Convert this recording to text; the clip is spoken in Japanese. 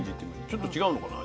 ちょっと違うのかな？